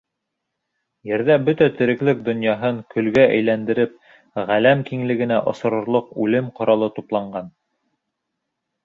Ерҙә бөтә тереклек донъяһын, көлгә әйләндереп, ғаләм киңлегенә осорорлоҡ үлем ҡоралы тупланған.